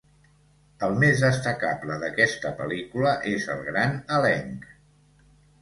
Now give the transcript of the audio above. El més destacable d'aquesta pel·lícula és el gran elenc.